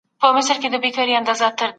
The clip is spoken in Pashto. ښه ذهنیت ژوند نه دروي.